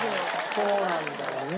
そうなんだよねえ。